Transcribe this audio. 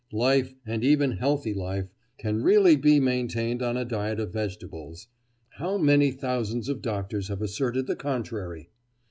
life, and even healthy life, can really be maintained on a diet of vegetables (how many thousands of doctors have asserted the contrary!).